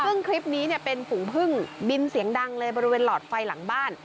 ซึ่งคลิปนี้เนี่ยเป็นฝูงพึ่งบินเสียงดังเลยบริเวณหลอดไฟหลังบ้าน